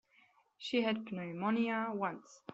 She had pneumonia once.